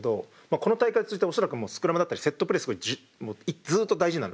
この大会を通じて恐らくスクラムだったりセットプレーすごいずっと大事になるんですよね。